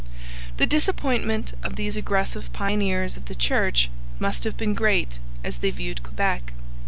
The disappointment of these aggressive pioneers of the Church must have been great as they viewed Quebec.